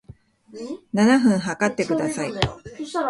七分測ってください